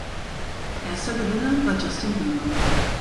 Erster Gewinner war Justin Bieber.